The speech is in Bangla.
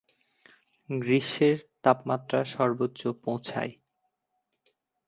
গ্রীষ্মের তাপমাত্রা সর্বোচ্চ পৌঁছায়।